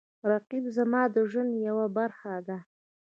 رقیب زما د ژوند یوه برخه ده